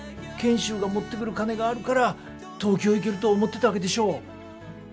賢秀が持ってくる金があるから東京行けると思ってたわけでしょ。